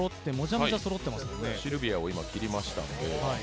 シルビアを今切りましたので。